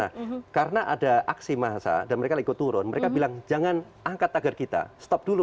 nah karena ada aksi massa dan mereka ikut turun mereka bilang jangan angkat tagar kita stop dulu